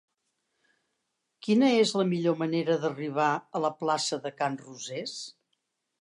Quina és la millor manera d'arribar a la plaça de Can Rosés?